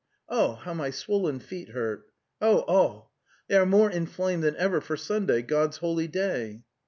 ... Oh, how my swollen feet hurt! Oh, oh! They are more inflamed than ever for Sunday, God's holy day!"